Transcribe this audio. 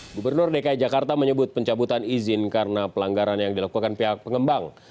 gubernur dki jakarta menyebut pencabutan izin karena pelanggaran yang dilakukan pihak pengembang